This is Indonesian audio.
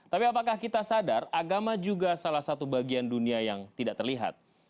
tapi apakah kita sadar agama juga salah satu bagian dunia yang tidak terlihat